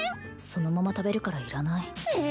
そのまま食べるからいらないえ！